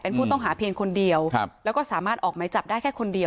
เป็นผู้ต้องหาเพียงคนเดียวแล้วก็สามารถออกไหมจับได้แค่คนเดียว